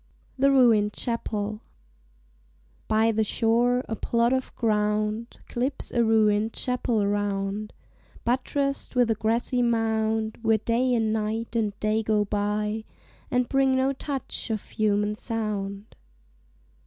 THE RUINED CHAPEL By the shore, a plot of ground Clips a ruin'd chapel round, Buttress'd with a grassy mound; Where Day and Night and Day go by, And bring no touch of human sound.